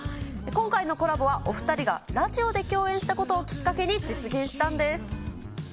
今回のコラボは、お２人がラジオで共演したことをきっかけに実現したんです。